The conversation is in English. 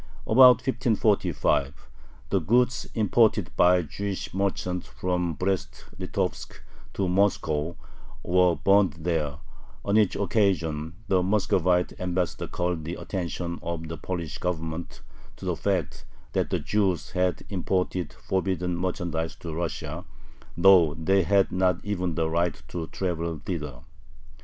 About 1545 the goods imported by Jewish merchants from Brest Litovsk to Moscow were burned there, on which occasion the Muscovite ambassador called the attention of the Polish Government to the fact that the Jews had imported forbidden merchandise to Russia, though they had not even the right to travel thither.